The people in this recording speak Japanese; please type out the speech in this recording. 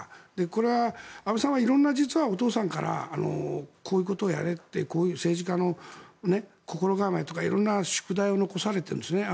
これは安倍さんは実はお父さんからこういうことをやれって政治家の心構えとか色んな宿題を残されているんですね。